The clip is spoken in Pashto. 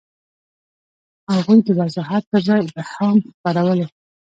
هغوی د وضاحت پر ځای ابهام خپرولو.